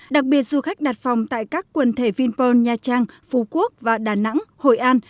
đặc biệt du khách đặt phòng tại các quần thể vinpearl nha trang phú quốc và đà nẵng hội an